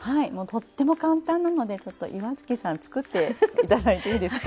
とっても簡単なのでちょっと岩槻さんつくっていただいていいですか？